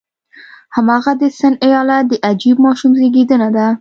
هماغه د سند ایالت د عجیب ماشوم زېږېدنه ده.